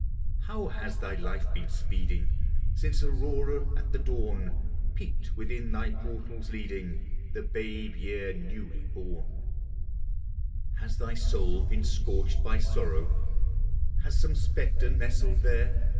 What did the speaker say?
How has thy life been speeding Since Aurora, at the dawn, Peeped within thy portals, leading The babe year, newly born? Has thy soul been scorched by sorrow, Has some spectre nestled there?